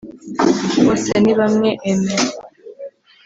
Bosenibamwe Aimee